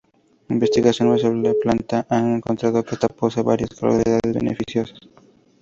Investigaciones sobre la planta han encontrado que esta posee varias cualidades beneficiosas.